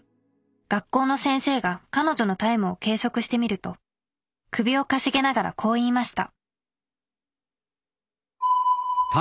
学校の先生が彼女のタイムを計測してみると首をかしげながらこう言いました